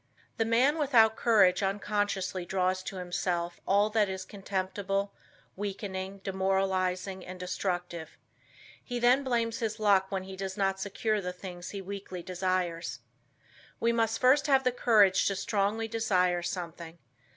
The man without courage unconsciously draws to himself all that is contemptible, weakening, demoralizing and destructive. He then blames his luck when he does not secure the things he weakly desires. We must first have the courage to strongly desire something.